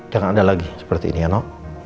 jangan ada lagi seperti ini ya no